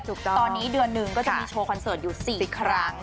ตอนนี้เดือนหนึ่งก็จะมีโชว์คอนเสิร์ตอยู่๔ครั้ง